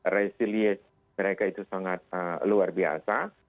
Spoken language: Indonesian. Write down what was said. resiliasi mereka itu sangat luar biasa